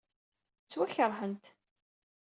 Ttwakeṛhent.